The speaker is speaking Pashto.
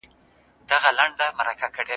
ځمکپوهنې خپل استقلال ترلاسه کړ.